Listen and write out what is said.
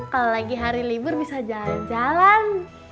kalau lagi hari libur bisa jalan jalan